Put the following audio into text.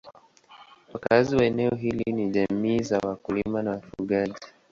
Wakazi wa eneo hili ni jamii za wakulima na wafugaji.